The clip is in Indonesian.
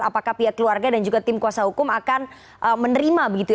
apakah pihak keluarga dan juga tim kuasa hukum akan menerima begitu